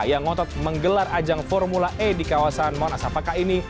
yang ngotot menggelar ajang formula e di kawasan monas sapaka ini